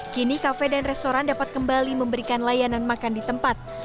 kini kafe dan restoran dapat kembali memberikan layanan makan di tempat